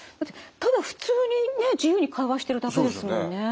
ただ普通にね自由に会話してるだけですもんね。